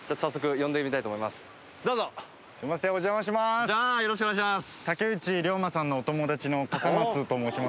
よろしくお願いします！